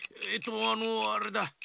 あのあれだ。